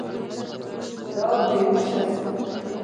دا بې هوشه سو.